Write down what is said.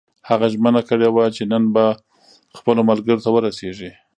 هغه ژمنه کړې وه چې نن به خپلو ملګرو ته ورسېږي.